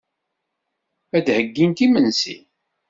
Ad d-heyyint imensi.